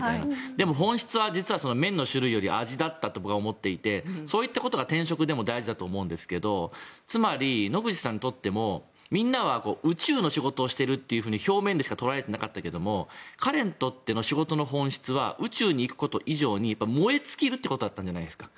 でも本質は麺の種類より味だったと僕は思っていてそういうことが転職でも大事だと思うんですけどつまり、野口さんにとってもみんなは宇宙の仕事をしていると表面でしか捉えていなかったけど彼にとっての仕事の本質は宇宙に行くこと以上に燃え尽きるということだったんじゃないですか。